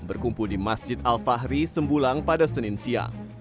berkumpul di masjid al fahri sembulang pada senin siang